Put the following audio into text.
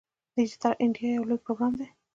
ډیجیټل انډیا یو لوی پروګرام دی.